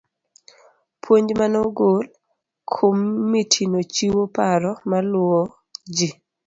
Puonj manogol. Komitino chiwo paro maluwo gi.